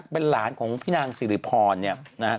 เป็นหลานของพี่นางศิริพรนะครับ